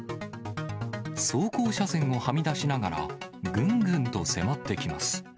走行車線をはみ出しながら、ぐんぐんと迫ってきます。